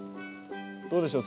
どうでしょう？